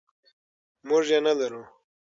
موږ یې نلرو.